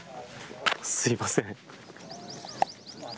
すいません。